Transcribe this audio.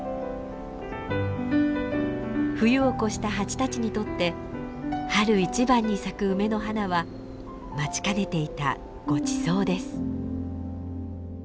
冬を越したハチたちにとって春一番に咲く梅の花は待ちかねていたごちそうです。